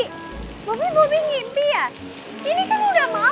ini kan udah malem